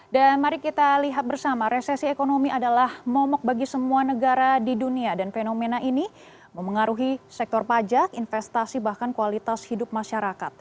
dan mari kita lihat bersama resesi ekonomi adalah momok bagi semua negara di dunia dan fenomena ini memengaruhi sektor pajak investasi bahkan kualitas hidup masyarakat